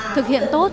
thực hiện tốt